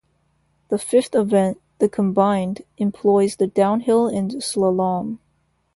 The fifth event, the combined, employs the downhill and slalom.